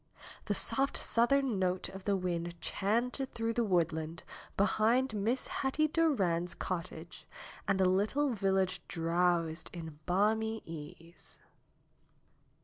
The soft southern note of the wind chanted through the woodland behind Miss Hetty Durand's cottage and the little village drowsed in balmy ease.